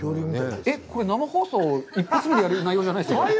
これ生放送、一発目でやる内容じゃないですよね。